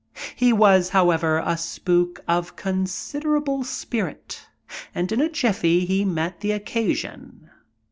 He was, however, a spook of considerable spirit, and in a jiffy he met the occasion.